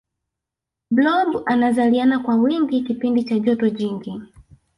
blob anazaliana kwa wingi kipindi cha joto jingi